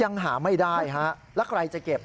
ยังหาไม่ได้ฮะแล้วใครจะเก็บ